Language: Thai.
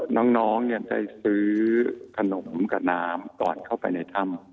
น้องจะซื้อขนมกับน้ำก่อนเข้าไปในถ้ำ